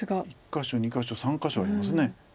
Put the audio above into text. １か所２か所３か所あります。